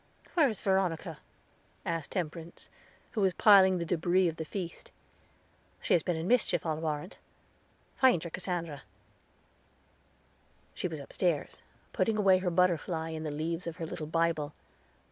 "Where is Veronica?" asked Temperance, who was piling the debris of the feast. "She has been in mischief, I'll warrant; find her, Cassandra." She was upstairs putting away her butterfly, in the leaves of her little Bible.